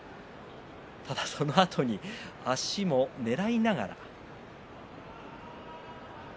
そのあとに足をねらいながら。